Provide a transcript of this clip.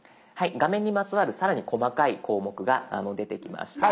画面にまつわる更に細かい項目が出てきました。